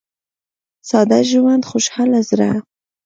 • ساده ژوند، خوشاله زړه.